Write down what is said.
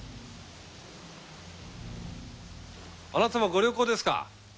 あなたもご旅行ですか？